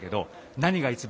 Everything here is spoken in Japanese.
何が一番